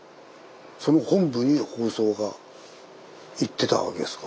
その本部に放送がいってたわけですか。